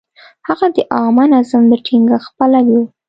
هغه د عامه نظم د ټینګښت پلوی و.